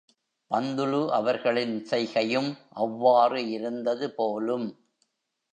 பந்துலு அவர்களின் செய்கையும் அவ்வாறு இருந்தது போலும்!